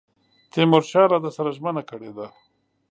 تیمورشاه له ده سره ژمنه کړې ده.